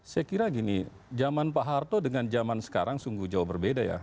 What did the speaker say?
saya kira gini zaman pak harto dengan zaman sekarang sungguh jauh berbeda ya